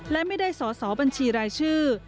และไม่ได้สอสอบัญชีรายชื่อ